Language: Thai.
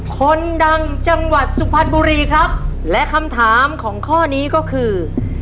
คนดังจังหวัดสุพรรณบุรีครับและคำถามของข้อนี้ก็คือ